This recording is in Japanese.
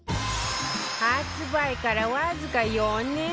発売からわずか４年